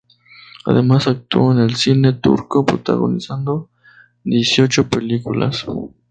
Además, actuó en el cine turco, protagonizando dieciocho películas.